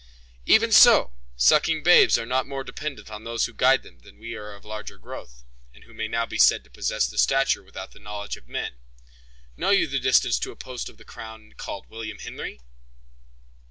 "Even so; sucking babes are not more dependent on those who guide them than we who are of larger growth, and who may now be said to possess the stature without the knowledge of men. Know you the distance to a post of the crown called William Henry?"